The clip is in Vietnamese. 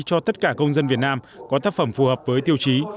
cho tất cả công dân việt nam có tác phẩm phù hợp với tiêu chí